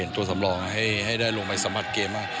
ตัวสำรองให้ได้ลงไปสมัครเกมมาก